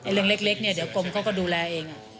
เรื่องเล็กเนี่ยเดี๋ยวกรมเขาก็ดูแลเอง